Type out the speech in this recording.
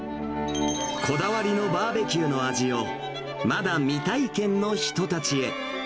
こだわりのバーベキューの味を、まだ未体験の人たちへ。